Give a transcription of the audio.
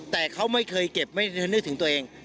แต่เขาไม่เคยเก็บไม่นึกถึงตัวเอง